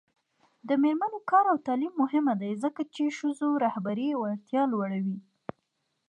د میرمنو کار او تعلیم مهم دی ځکه چې ښځو رهبري وړتیا لوړوي